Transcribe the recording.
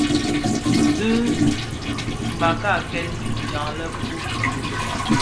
Bi mbakaken jaň lèpub,